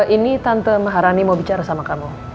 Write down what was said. ini tante maharani mau bicara sama kamu